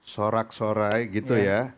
sorak sorai gitu ya